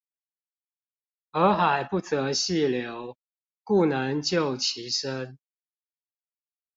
河海不擇細流，故能就其深